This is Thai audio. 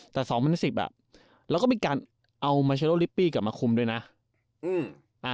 แต่๒๐๑๐แล้วก็มีการเอามาชาโลลิปปี้กลับมาคุมด้วยนะ